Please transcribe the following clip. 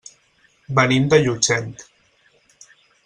Venim de Llutxent.